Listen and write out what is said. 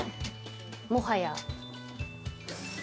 もはや。